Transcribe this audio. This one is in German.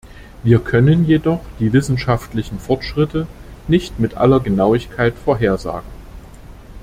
Wir können jedoch die wissenschaftlichen Fortschritte nicht mit aller Genauigkeit vorhersagen.